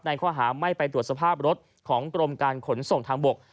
ข้อหาไม่ไปตรวจสภาพรถของกรมการขนส่งทางบก